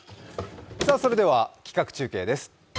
それでは企画中継です。